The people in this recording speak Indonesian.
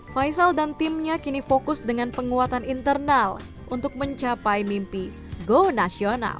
faisal dan timnya kini fokus dengan penguatan internal untuk mencapai mimpi go nasional